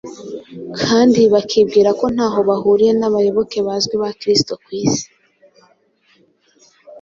kandi bakibwira ko ntaho bahuriye n’abayoboke bazwi ba Kristo ku isi.